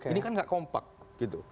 ini kan gak kompak gitu